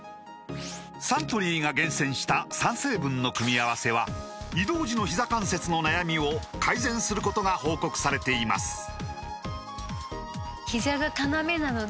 サントリーが厳選した３成分の組み合わせは移動時のひざ関節の悩みを改善することが報告されています